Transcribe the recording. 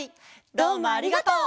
どうもありがとう！